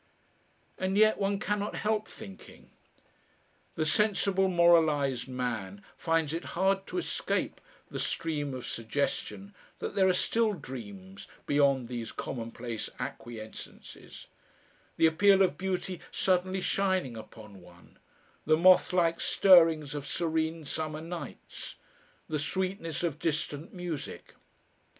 And yet one cannot help thinking! The sensible moralised man finds it hard to escape the stream of suggestion that there are still dreams beyond these commonplace acquiescences, the appeal of beauty suddenly shining upon one, the mothlike stirrings of serene summer nights, the sweetness of distant music....